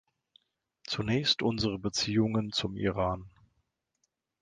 Zunächst unsere Beziehungen zum Iran.